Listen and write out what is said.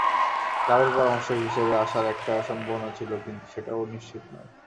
ক্লাবের পরামর্শক হিসেবে আসার একটা সম্ভাবনা ছিল, কিন্তু সেটাও নিশ্চিত নয়।